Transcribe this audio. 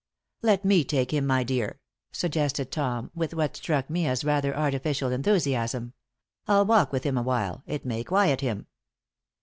"Let me take him, my dear," suggested Tom, with what struck me as rather artificial enthusiasm. "I'll walk with him awhile. It may quiet him."